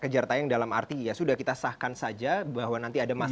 kejar tayang dalam arti ya sudah kita sahkan saja bahwa nanti ada masalah